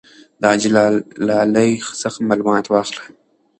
د حاجي لالي څخه معلومات واخله.